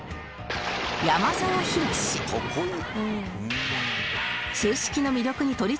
かっこいい。